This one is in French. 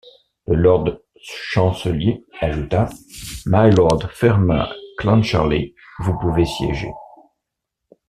Le lord-chancelier ajouta: — Mylord Fermain Clancharlie, vous pouvez siéger.